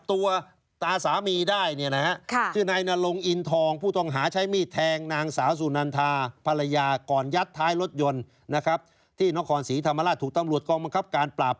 ทะเลาะกันกันก็เพราะเมื่อการสื่อสาร